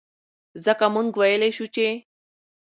ځکه مونږ وئيلے شو چې